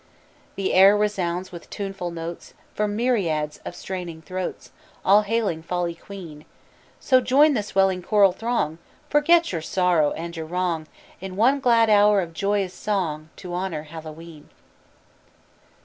The air resounds with tuneful notes From myriads of straining throats, All hailing Folly Queen; So join the swelling choral throng, Forget your sorrow and your wrong, In one glad hour of joyous song To honor Hallowe'en.